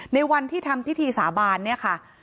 ในวันที่ทำพิธีสาบานเนี่ยค่ะ